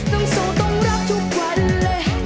น้องสู่ต้องรับทุกวันเลย